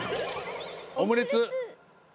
「オムレツ」。